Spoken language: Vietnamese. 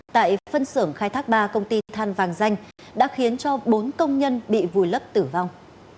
tại phân xưởng khai thác ba công ty than vàng danh đã khiến cho bốn công nhân bị vùi lấp tử vong